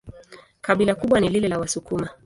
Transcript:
Kabila kubwa ni lile la Wasukuma.